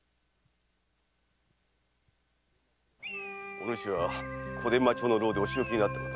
おぬしは小伝馬町の牢でお仕置きにあったのだ。